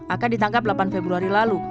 akan ditangkap delapan februari lalu